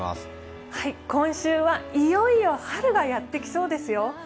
今週は、いよいよ春がやってきそうですよ。